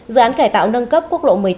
dự án cải tạo nâng cấp quốc lộ một mươi tám